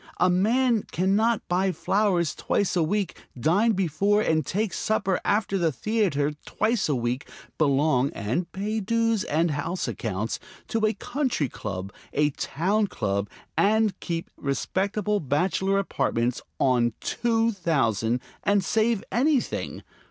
A man can not buy flowers twice a week, dine before and take supper after the theater twice a week, belong (and pay dues and house accounts) to a country club, a town club and keep respectable bachelor apartments on two thousand ... and save anything.